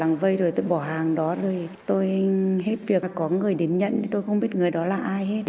nên hết việc có người đến nhận tôi không biết người đó là ai hết